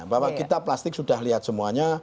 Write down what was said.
bahwa kita plastik sudah lihat semuanya